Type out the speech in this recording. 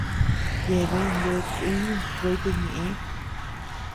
Yeabean bea kuïñu kuete ñeʼë.